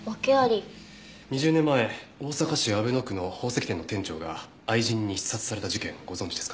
２０年前大阪市阿倍野区の宝石店の店長が愛人に刺殺された事件ご存じですか？